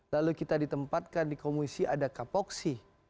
lalu kita ditempatkan di komisi ada kapoksi